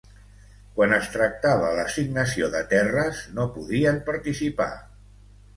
Quan es tractava l'assignació de terres, no podien participar.